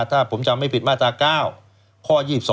ถ้าผมจำไม่ผิดมาตรา๙ข้อ๒๒